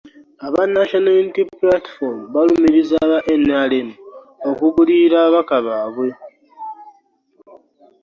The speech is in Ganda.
Aba National Unity Platform balumirizza aba NRM okugulirira ababaka baabwe